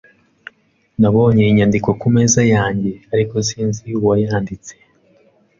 Nabonye inyandiko ku meza yanjye, ariko sinzi uwayanditse